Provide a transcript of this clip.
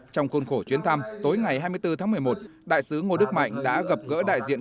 trong khuôn khổ chuyến thăm tối ngày hai mươi bốn tháng một mươi một đại sứ ngô đức mạnh đã gặp gỡ đại diện